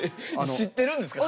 知ってるんですか？